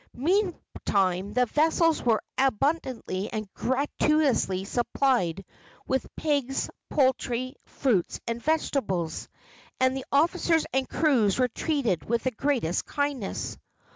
Meantime the vessels were abundantly and gratuitously supplied with pigs, poultry, fruits and vegetables, and the officers and crews were treated with the greatest kindness.